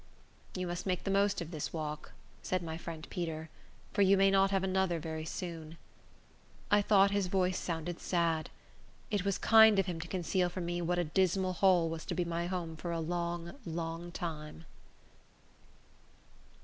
"You must make the most of this walk," said my friend Peter, "for you may not have another very soon." I thought his voice sounded sad. It was kind of him to conceal from me what a dismal hole was to be my home for a long, long time.